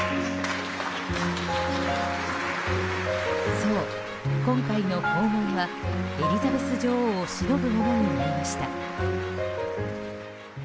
そう、今回の訪問はエリザベス女王をしのぶものになりました。